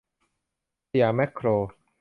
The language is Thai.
สยามแม็คโคร